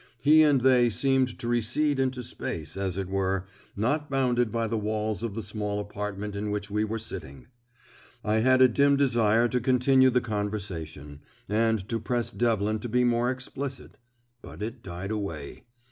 He and they seemed to recede into space, as it were, not bounded by the walls of the small apartment in which we were sitting. I had a dim desire to continue the conversation, and to press Devlin to be more explicit, but it died away.